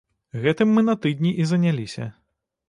Гэтым мы на тыдні і заняліся.